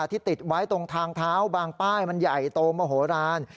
ที่ติดไว้ตรงทางเท้าบางป้ายมันใหญ่โตมโหลาน